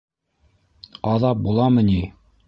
Аҙап буламы ни!